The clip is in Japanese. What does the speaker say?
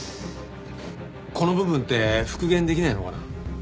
この部分って復元できないのかな？